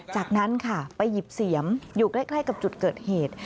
จากนั้นค่ะไปหยิบเสียมอยู่ใกล้กับจุดเกิดเหตุ